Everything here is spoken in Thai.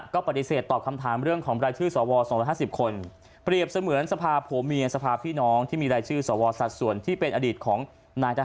ก็ปฏิเสธตอบคำถามเรื่องของรายชื่อสว๒๕๐คน